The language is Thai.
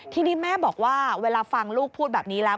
ทีนี้แม่บอกว่าเวลาฟังลูกพูดแบบนี้แล้ว